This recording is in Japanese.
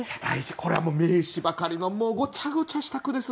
これは名詞ばかりのもうごちゃごちゃした句です。